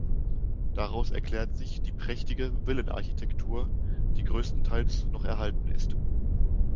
Daraus erklärt sich die prächtige Villenarchitektur, die größtenteils noch erhalten ist.